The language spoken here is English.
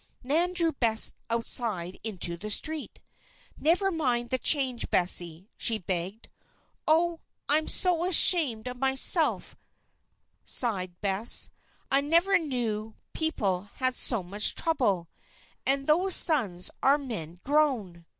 Nan drew Bess outside into the street. "Never mind the change, Bessie," she begged. "Oh! I'm so ashamed of myself," sighed Bess. "I never knew people had so much trouble. And those sons are men grown!"